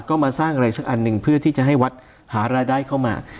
ก็มาสร้างอะไรสักอันหนึ่งเพื่อที่จะให้วัดหารายได้เข้ามา